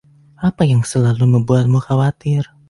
Apa yang selalu membuatmu khawatir?